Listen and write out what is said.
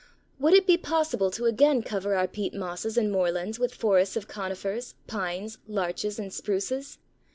Would it be possible to again cover our peat mosses and moorlands with forests of Conifers, Pines, Larches, and Spruces?